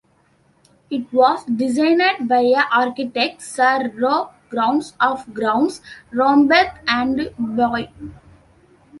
It was designed by architect Sir Roy Grounds, of Grounds, Romberg and Boyd.